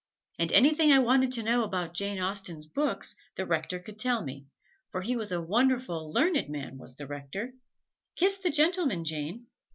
And anything I wanted to know about Jane Austen's books the Rector could tell, for he was a wonderful learned man was the Rector "Kiss the gentleman, Jane."